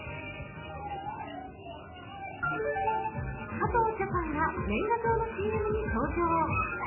加藤茶さんが年賀状のＣＭに登場。